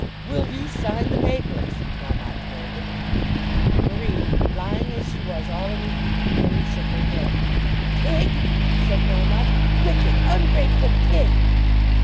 "Will you sign the papers?" Melmotte demanded. Marie, lying as she was, all in a heap, merely shook her head. "Pig!" said Melmotte, "wicked, ungrateful pig."